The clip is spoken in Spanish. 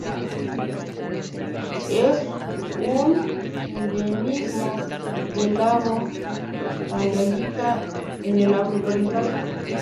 Es un endemismo del lago Tanganyika en el África Oriental.